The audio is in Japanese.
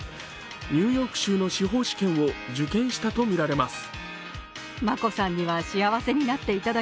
ニューヨーク州の司法試験を受験したとみられます。